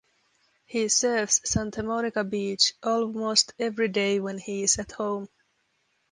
He surfs Santa Monica beach almost every day when he is at home.